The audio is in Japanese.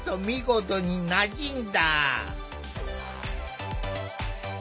見事になじんだ。